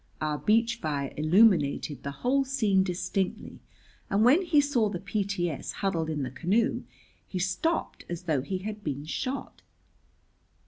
Our beach fire illuminated the whole scene distinctly, and when he saw the P.T.S. huddled in the canoe he stopped as though he had been shot.